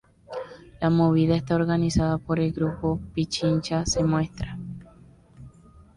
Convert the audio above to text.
La movida está organizada por el grupo Pichincha se muestra.